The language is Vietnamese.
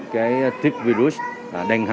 cái tích virus đen hai